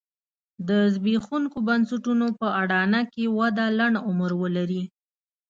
د زبېښونکو بنسټونو په اډانه کې وده لنډ عمر ولري.